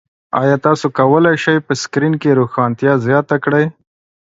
ایا تاسو کولی شئ په سکرین کې روښانتیا زیاته کړئ؟